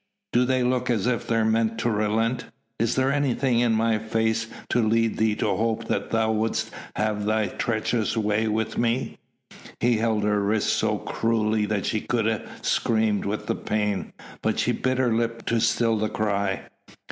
"Do they look as if they meant to relent? Is there anything in my face to lead thee to hope that thou wouldst have thy treacherous way with me?" He held her wrists so cruelly that she could have screamed with the pain, but she bit her lip to still the cry.